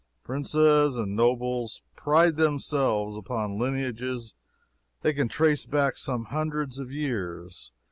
Princes and nobles pride themselves upon lineages they can trace back some hundreds of years.